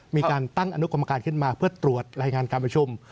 มีการตั้งอนุกรรมการขึ้นมาเพื่อตรวจรายงานการประชุม